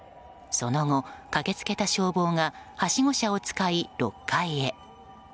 その後、駆け付けた消防がはしご車を使い６階へ。